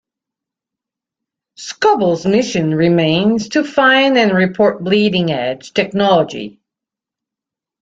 Scoble's mission remains to find and report bleeding edge technology.